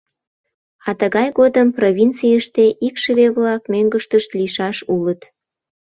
А тыгай годым провинцийыште икшыве-влак мӧҥгыштышт лийшаш улыт.